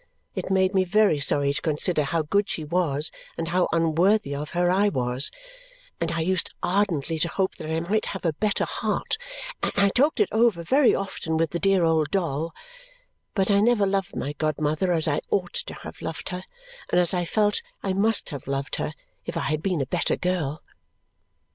It made me very sorry to consider how good she was and how unworthy of her I was, and I used ardently to hope that I might have a better heart; and I talked it over very often with the dear old doll, but I never loved my godmother as I ought to have loved her and as I felt I must have loved her if I had been a better girl.